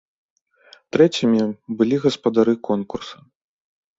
Трэцімі былі гаспадары конкурса.